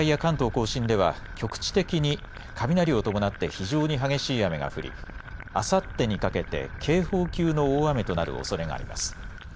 甲信では、局地的に雷を伴って非常に激しい雨が降り、あさってにかけて警報級の大雨となるおそれがあります。